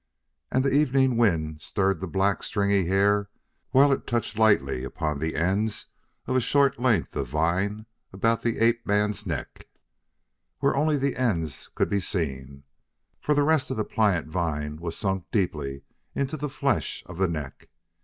And the evening wind stirred the black, stringy hair while it touched lightly upon the ends of a short length of vine about the ape man's neck, where only the ends could be seen, for the rest of the pliant vine was sunk deeply into the flesh of the neck.